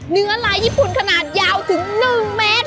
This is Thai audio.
เนื้อลายญี่ปุ่นขนาดยาวถึง๑เมตร